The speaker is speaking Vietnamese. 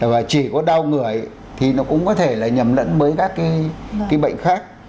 và chỉ có đau người thì nó cũng có thể là nhầm lẫn với các cái bệnh khác